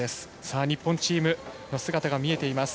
日本チームの姿が見えました。